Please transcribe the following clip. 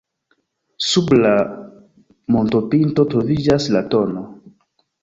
Sub la montopinto troviĝas la tn.